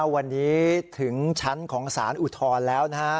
วันนี้ถึงชั้นของสารอุทธรณ์แล้วนะฮะ